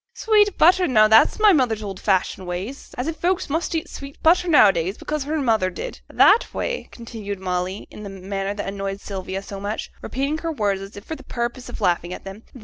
'(Sweet butter! now that's my mother's old fashioned way; as if folks must eat sweet butter now a days, because her mother did!) That way,' continued Molly, in the manner that annoyed Sylvia so much, repeating her words as if for the purpose of laughing at them.